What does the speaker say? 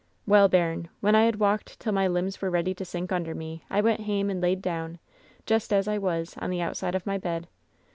"Well, bairn, when I had walked till my limbs were ready to sink imder me I went hame and laid down, just as I was, on the outside of my bed.